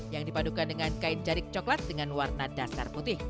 yang dipadukan dengan kain jarik coklat dengan warna dasar putih